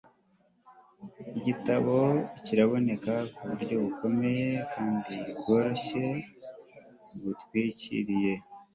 igitabo kiraboneka muburyo bukomeye kandi bworoshye-butwikiriye